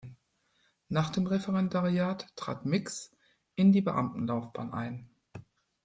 Nach dem Referendariat trat Mix in die Beamtenlaufbahn ein.